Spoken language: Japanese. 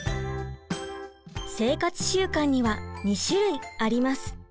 生活習慣には２種類あります。